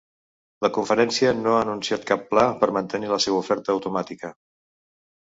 La conferència no ha anunciat cap pla per mantenir la seva oferta automàtica.